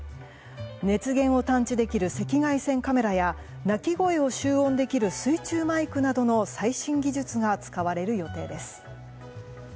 熱源を探知できる赤外線カメラや鳴き声を集音できる水中マイクなどの最新技術が使われる予定です。